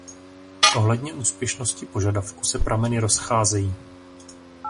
Ohledně úspěšnosti požadavku se prameny rozcházejí.